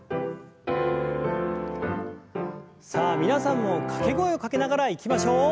さあ皆さんも掛け声をかけながらいきましょう。